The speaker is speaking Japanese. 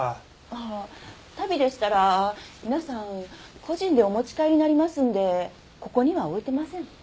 ああ足袋でしたら皆さん個人でお持ち帰りになりますのでここには置いてません。